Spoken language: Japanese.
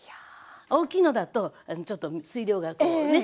大きいのだとちょっと水量がこうね。